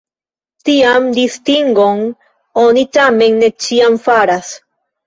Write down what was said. Tian distingon oni tamen ne ĉiam faras.